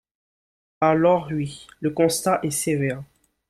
Alors oui, le constat est sévère.